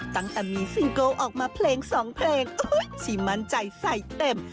ตั้งแต่มีซิงเกิลออกมาเพลงสองเพลงชีมั่นใจใส่เต็ม